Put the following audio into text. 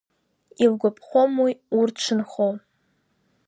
Илгәаԥхом уи урҭ шынхо!